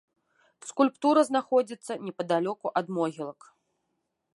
Скульптура знаходзіцца непадалёку ад могілак.